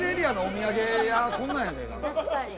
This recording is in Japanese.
確かに。